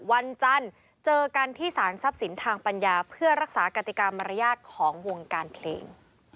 วันจันทร์เจอกันที่สารทรัพย์สินทางปัญญาเพื่อรักษากติกรรมมารยาทของวงการเพลง